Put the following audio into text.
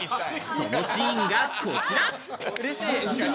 そのシーンがこちら。